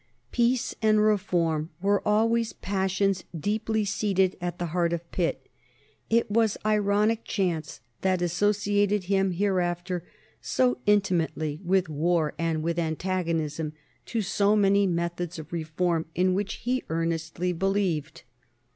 Peace and reform were always passions deeply seated at the heart of Pitt; it was ironic chance that associated him hereafter so intimately with war and with antagonism to so many methods of reform in which he earnestly believed.